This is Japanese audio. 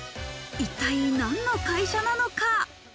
一体何の会社なのか？